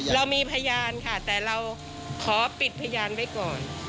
เรามีพยานค่ะแต่เราขอปิดพยานไว้ก่อน